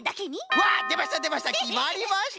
わっでましたでました！